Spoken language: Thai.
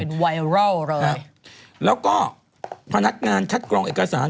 เป็นไวรัลเลยฮะแล้วก็พนักงานคัดกรองเอกสาร